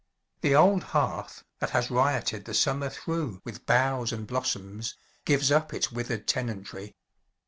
The old hearth, that has rioted the summer through with boughs and blossoms, gives up its withered tenantry.